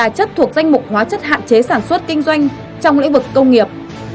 chất thuộc danh mục hóa chất hạn chế sản xuất kinh doanh trong lĩnh vực công nghiệp